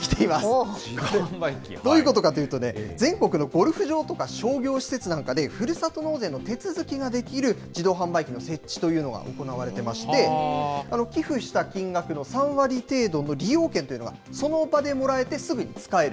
どういうことかというと、全国のゴルフ場とか、商業施設なんかで、ふるさと納税の手続きができる自動販売機の設置というのが行われてまして、寄付した金額の３割程度の利用券というのが、その場でもらえて、すぐに使える。